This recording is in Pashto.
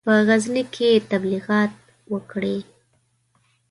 په غزني کې تبلیغات وکړي.